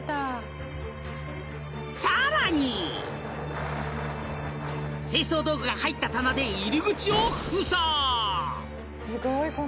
［さらに］［清掃道具が入った棚で入り口を封鎖］